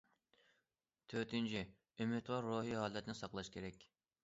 تۆتىنچى، ئۈمىدۋار روھىي ھالەتنى ساقلاش كېرەك.